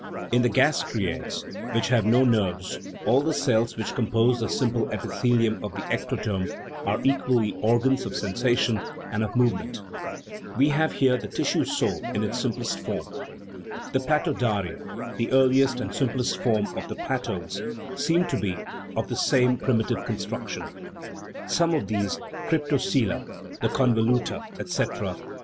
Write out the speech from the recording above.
In the gastraeads, which have no nerves, all the cells which compose the simple epithe lium of the ectoderm are equally organs of sensation and of movement ; we have here the tissue soul in its simplest form. The platodaria, the earliest and simplest form of the platodes, seem to be of the same primitive construction. Some of these cryptocoela the convoluta, etc. have * Cf . Anthropogeny and Natural History of Creation.